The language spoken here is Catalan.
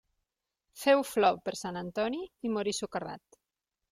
Féu flor per Sant Antoni i morí socarrat.